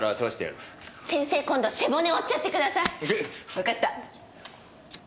わかった。